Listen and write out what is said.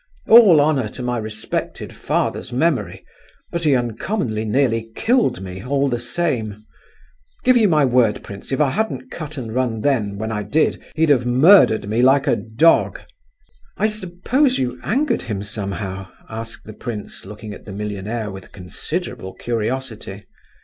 All honour to my respected father's memory—but he uncommonly nearly killed me, all the same. Give you my word, prince, if I hadn't cut and run then, when I did, he'd have murdered me like a dog." "I suppose you angered him somehow?" asked the prince, looking at the millionaire with considerable curiosity.